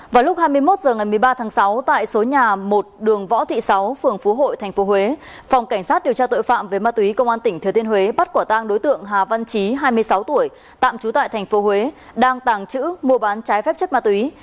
vào lúc hai mươi một h ngày một mươi ba tháng sáu tại số nhà một đường võ thị sáu phường phú hội tp huế phòng cảnh sát điều tra tội phạm về ma túy công an tỉnh thừa thiên huế bắt quả tang đối tượng hà văn trí hai mươi sáu tuổi tạm trú tại tp huế đang tàng trữ mua bán trái phép chất ma túy